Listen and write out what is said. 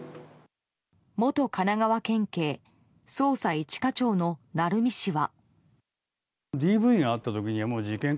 元神奈川県警捜査１課長の鳴海氏は。